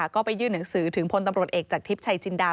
ก็ไปยื่นหนังสือถึงพลตำรวจเอกจากทิพย์ชัยจินดา